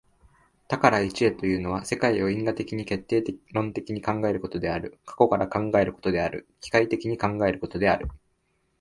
多から一へというのは、世界を因果的に決定論的に考えることである、過去から考えることである、機械的に考えることである。